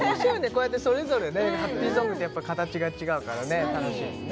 こうやってそれぞれねハッピーソングってやっぱ形が違うからね楽しいですね